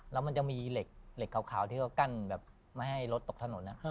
แล้วมันจะมีเหล็กเหล็กขาวที่กั้นแบบไม่ให้รถตกถนนนะ